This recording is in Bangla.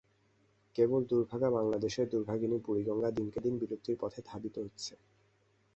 কেবল দুর্ভাগা বাংলাদেশের দুর্ভাগিনী বুড়িগঙ্গা দিনকে দিন বিলুপ্তির দিকে ধাবিত হচ্ছে।